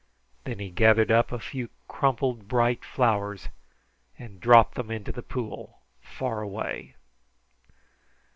Then he gathered up a few crumpled bright flowers and dropped them into the pool far away.